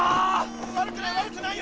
悪くない悪くないよ！